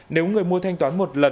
nếu người mua thanh toán một lần